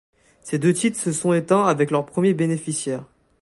Ces deux titres se sont éteints avec leurs premiers bénéficiaires.